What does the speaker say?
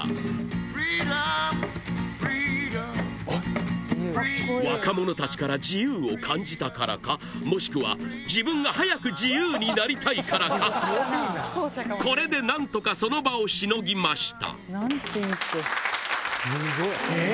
Ｆｒｅｅｄｏｍ，ｆｒｅｅｄｏｍ若者たちから自由を感じたからかもしくは自分が早く自由になりたいからかこれで何とかその場をしのぎましたすごい。